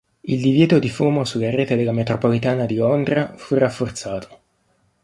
Il divieto di fumo sulla rete della Metropolitana di Londra fu rafforzato.